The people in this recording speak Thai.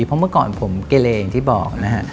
เพราะเมื่อก่อนผมเกเลอย่างที่บอกนะฮะ